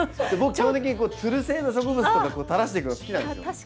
基本的につる性の植物とか垂らしていくの好きなんですよ。